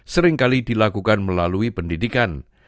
seringkali dilakukan melalui pendidikan